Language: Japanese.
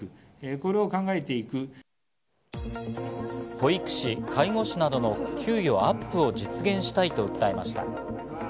保育士・介護士などの給与アップを実現したいと訴えました。